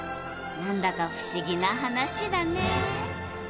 何だか不思議な話だね！